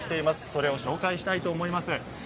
それを紹介したいと思います。